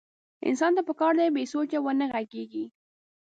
انسان ته پکار ده بې سوچه ونه غږېږي.